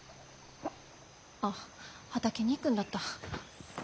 あっ畑に行くんだった。